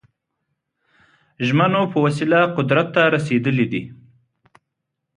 ژمنو په وسیله قدرت ته رسېدلي دي.